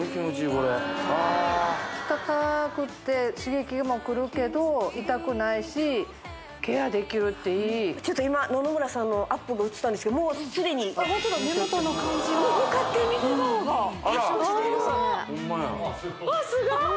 これあっ温かくて刺激もくるけど痛くないしケアできるっていいちょっと今野々村さんのアップが映ったんですけどホントだ目元の感じがもう向かって右側があらホンマや・わっすごーい！